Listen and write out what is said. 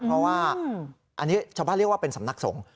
เพราะว่าอันนี้ชาวบ้านเรียกว่าเป็นสำนักสงฆ์